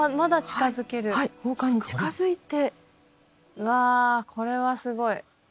うわこれはすごい。